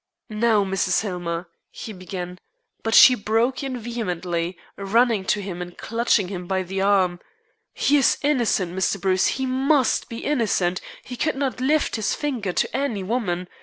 "Now, Mrs. Hillmer," he began; but she broke in vehemently, running to him and clutching him by the arm: "He is innocent, Mr. Bruce. He must be innocent. He could not lift his finger to any woman.